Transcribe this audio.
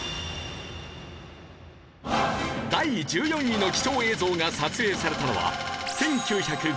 第１４位の貴重映像が撮影されたのは。